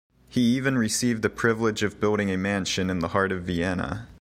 He even received the privilege of building a mansion in the heart of Vienna.